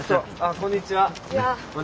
こんにちは。